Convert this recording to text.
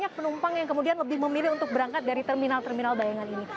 banyak penumpang yang kemudian lebih memilih untuk berangkat dari terminal terminal bayangan ini